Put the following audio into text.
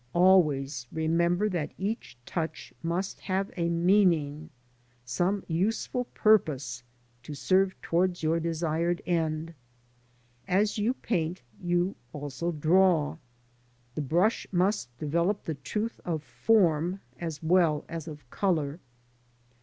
Always remember that each touch must have a meaning, some useful purpose to serve towards your desired end. As^you_paint you also draw. The brush must develop the truth of form as well as of colour.